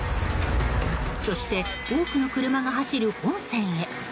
そして、多くの車が走る本線へ。